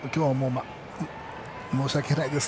申し訳ないです。